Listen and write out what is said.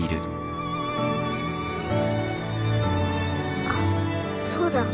あっそうだ。